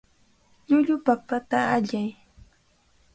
Llullu papata allay.